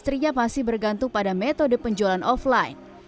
istrinya masih bergantung pada metode penjualan offline